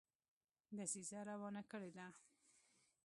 دسیسه روانه کړي ده.